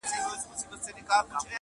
o پر مخ لاسونه په دوعا مات کړي,